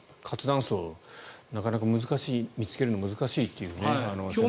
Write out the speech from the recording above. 活断層なかなか見つけるのは難しいという。